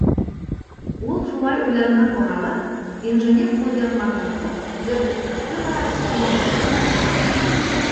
Ул шулай уйланған арала, инженер ҡулъяҙманы уҡып, төҙәтеп сыҡты ла, ҡыуанып: